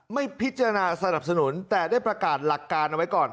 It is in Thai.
ไม่พิจารณาสนับสนุนแต่ได้ประกาศหลักการเอาไว้ก่อน